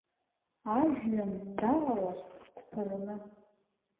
Ажәҩан далалашт дԥырны.